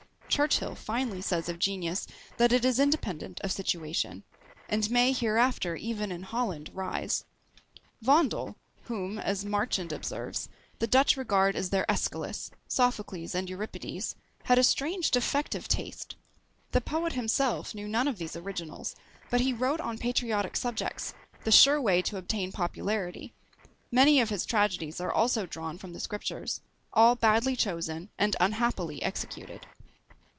Churchill finely says of genius that it is independent of situation, And may hereafter even in HOLLAND rise. Vondel, whom, as Marchand observes, the Dutch regard as their Æschylus, Sophocles, and Euripides, had a strange defective taste; the poet himself knew none of these originals, but he wrote on patriotic subjects, the sure way to obtain popularity; many of his tragedies are also drawn from the Scriptures; all badly chosen and unhappily executed.